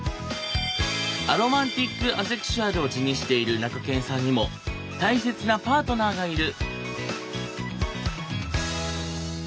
アロマンティック・アセクシュアルを自認しているなかけんさんにも大切なパートナーがいる。